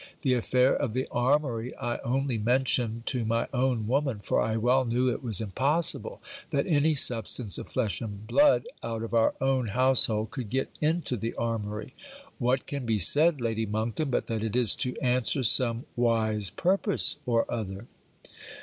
The affair of the armoury I only mentioned to my own woman, for I well knew it was impossible that any substance of flesh and blood out of our own household could get into the armoury. What can be said Lady Monkton, but that it is to answer some wise purpose or other?